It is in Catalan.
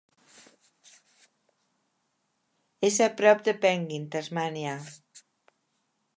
És a prop de Penguin, Tasmània.